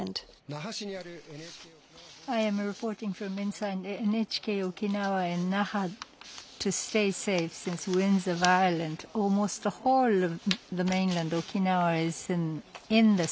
那覇市にあるＮＨＫ沖縄放送局です。